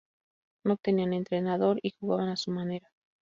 No tenían entrenador y jugaban a su manera.